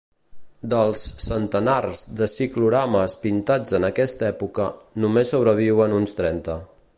Dels centenars de ciclorames pintats en aquesta època només sobreviuen uns trenta.